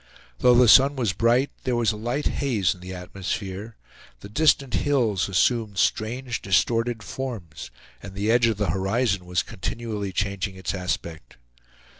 Though the sun was bright, there was a light haze in the atmosphere. The distant hills assumed strange, distorted forms, and the edge of the horizon was continually changing its aspect.